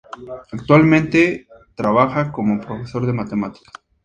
Actualmente trabaja como profesor de matemáticas.